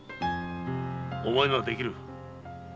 お前ならできる。